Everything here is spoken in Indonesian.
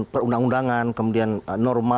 perundang undangan kemudian norma